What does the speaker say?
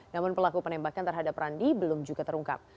namun pelaku penembakan terhadap randi belum juga terungkap